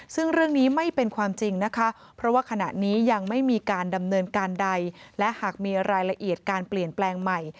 ซึ่งเรื่องนี้ไม่เป็นความจริงนะคะเพราะว่าขณะนี้ยังไม่มีการดำเนินการใดและหากมีรายละเอียดการเปลี่ยนแปลงใหม่